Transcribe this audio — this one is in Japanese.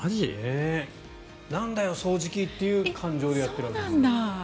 なんだよ、掃除機っていう感情でやっているわけです。